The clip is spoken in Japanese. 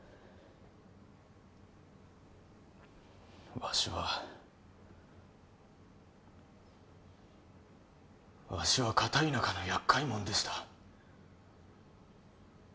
わしはわしは片田舎の厄介もんでした